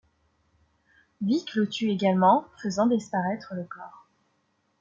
Vic le tue également, faisant disparaître le corps.